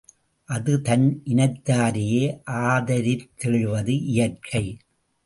அது தன் இனத்தாரையே ஆதரித்தெழுவது இயற்கை.